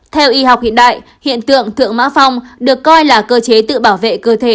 theo y học hiện đại hiện tượng thượng mã phong được coi là cơ chế tự bảo vệ cơ thể